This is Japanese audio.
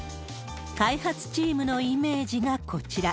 開発チームのイメージがこちら。